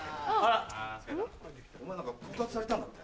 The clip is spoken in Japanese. お前何か告白されたんだって？